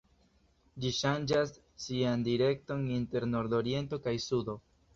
Ĝi ŝanĝas sian direkton inter nordoriento kaj sudo.